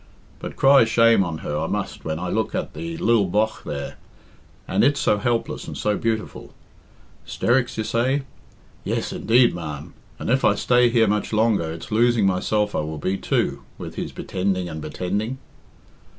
But cry shame on her I must when I look at the lil bogh there, and it so helpless and so beautiful. 'Stericks, you say? Yes, indeed, ma'am, and if I stay here much longer, it's losing myself I will be, too, with his bittending and bittending."